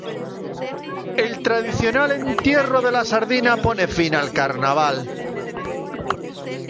El tradicional Entierro de la Sardina pone fin al Carnaval.